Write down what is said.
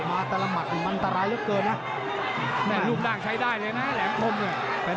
มาตลาดมัดมันอันตรายเท่าไหร่นะแหลมด้างใช้ได้เลยนะแหลมคมเนี่ย